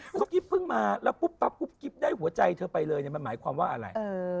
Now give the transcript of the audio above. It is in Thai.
เมื่อกี้เพิ่งมาแล้วปุ๊บปั๊บกุ๊บกิ๊บได้หัวใจเธอไปเลยมันหมายความว่าอะไร